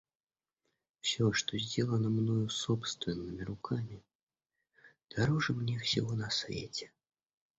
Всё, что сделано мною собственными руками, дороже мне всего на свете.